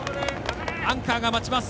アンカーが待ちます。